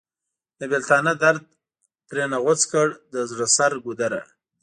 د بیلتانه درد ترېنه غوڅ کړ د زړه سر ګودره!